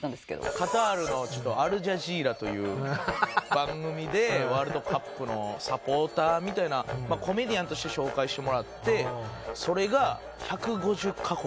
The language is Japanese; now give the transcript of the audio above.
カタールのアルジャジーラという番組でワールドカップのサポーターみたいなコメディアンとして紹介してもらってそれが。